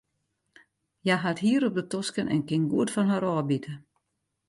Hja hat hier op de tosken en kin goed fan har ôfbite.